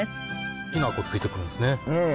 きな粉ついてくるんですね。ね。